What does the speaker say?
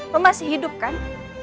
lo masih hidup kan